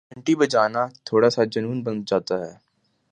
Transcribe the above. گھنٹی بجانا تھوڑا سا جنون بن جاتا ہے